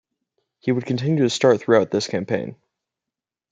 He would continue to start throughout this campaign.